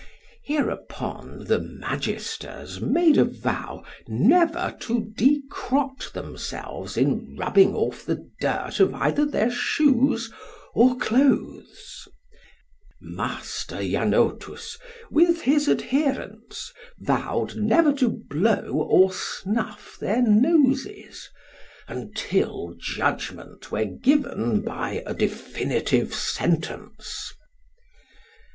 Hereupon the magisters made a vow never to decrott themselves in rubbing off the dirt of either their shoes or clothes: Master Janotus with his adherents vowed never to blow or snuff their noses, until judgment were given by a definitive sentence.